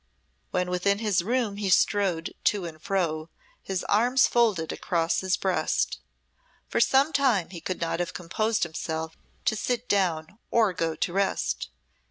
When within his room he strode to and fro, his arms folded across his breast. For some time he could not have composed himself to sit down or go to rest.